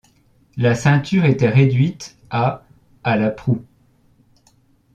La ceinture était réduite à à la proue.